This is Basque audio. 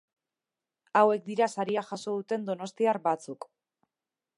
Hauek dira saria jaso duten Donostiar batzuk.